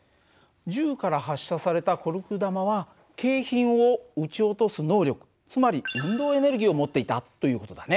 銃から発射されたコルク弾は景品を撃ち落とす能力つまり運動エネルギーを持っていたという事だね。